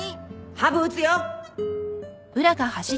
ハブ打つよ。